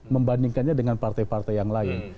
membandingkannya dengan partai partai yang lain